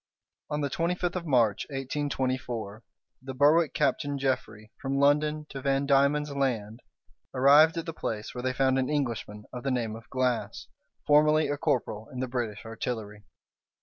On the twenty fifth of March, 1824, the Berwick, Captain Jeffrey, from London to Van Diemen's Land, arrived at the place, where they found an Englishman of the name of Glass, formerly a corporal in the British artillery.